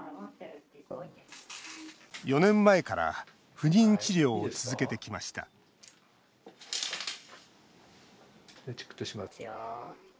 ４年前から不妊治療を続けてきましたチクッとしますよ。